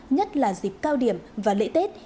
nhất là dịp cao điểm và lễ tết